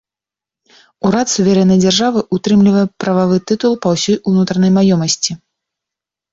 Урад суверэннай дзяржавы ўтрымлівае прававы тытул па ўсёй унутранай маёмасці.